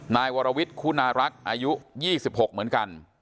นายวรวิทย์คุณารักษ์อายุ๒๖เหมือนกัน